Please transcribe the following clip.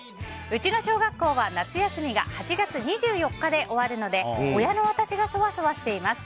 うちの小学校は夏休みが８月２４日で終わるので親の私がそわそわしています。